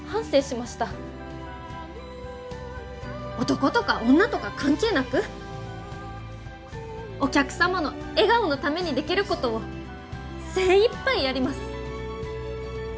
男とか女とか関係なくお客様の笑顔のためにできることを精いっぱいやります！